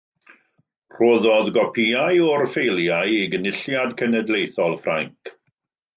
Rhoddodd gopïau o'r ffeiliau i Gynulliad Cenedlaethol Ffrainc.